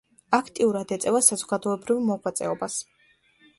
აქტიურად ეწევა საზოგადოებრივ მოღვაწეობას.